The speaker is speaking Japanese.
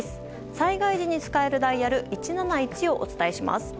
災害時に使えるダイヤル１７１をお伝えします。